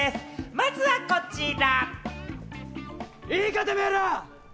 まずはこちら。